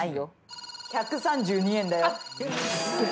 １３２円だよ。